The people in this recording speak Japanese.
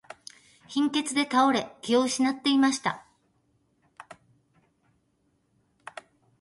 貧血で倒れ、気を失っていました。